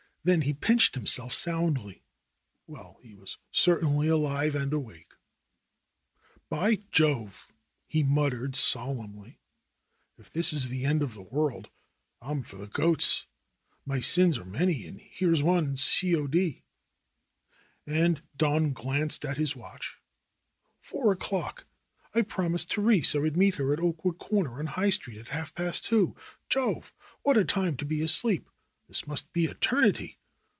Then he pinched himself soundly. Well, he was certainly alive and awake ! '^By Jove!" he muttered solemnly, ^flf this is the end of the world, I'm for the goats ! My sins are many, and here's one C. 0. D." And Don glanced at his watch. ^Tour o'clock and I promised Therese I would meet her at Oakwood Corner on High Street at half past two ! J ove ! What a time I've been asleep. This must be eternity.